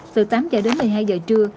từ tám h đến một mươi hai h trưa